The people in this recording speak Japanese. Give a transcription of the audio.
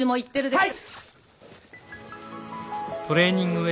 はい。